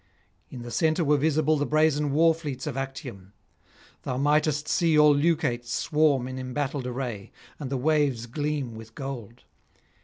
In the centre were visible the brazen war fleets of Actium; thou mightest see all Leucate swarm in embattled array, and the waves gleam with gold.